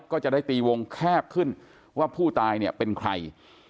ก็จะได้ตีวงแคบขึ้นว่าผู้ตายเนี่ยเป็นใคร